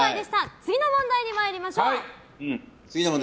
次の問題に参りましょう。